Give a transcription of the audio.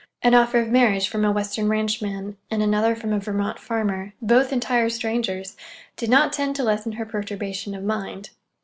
An offer of marriage from a Western ranchman and another from a Vermont farmer (both entire strangers) did not tend to lessen her perturbation of mind.